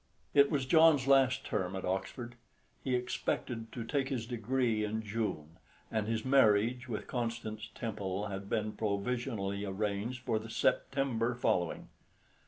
It was John's last term at Oxford. He expected to take his degree in June, and his marriage with Constance Temple had been provisionally arranged for the September following.